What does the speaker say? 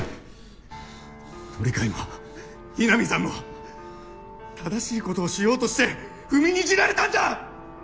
鳥飼も雛見さんも正しいことをしようとして踏みにじられたんだ！